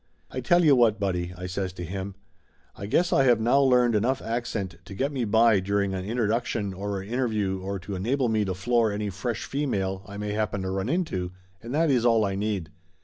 "I tell you what, buddy," I says to him, "I guess I have now learned enough accent to get me by during a introduction or a interview, or to enable me to floor any fresh female I may happen to run into, and that is all I need.